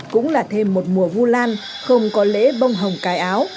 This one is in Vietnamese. cũng là thêm một mùa vu lan không có lễ bông hồng cài áo